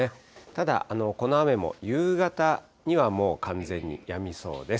ただ、この雨も夕方にはもう完全にやみそうです。